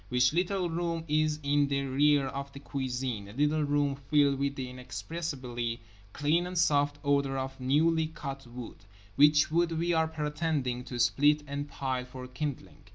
Which little room is in the rear of the cuisine; a little room filled with the inexpressibly clean and soft odour of newly cut wood. Which wood we are pretending to split and pile for kindling.